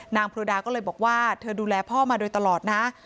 โพดาก็เลยบอกว่าเธอดูแลพ่อมาโดยตลอดนะ